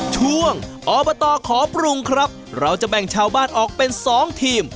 ช่วงอบตขอปรุงครับเราจะแบ่งชาวบ้านออกเป็น๒ทีม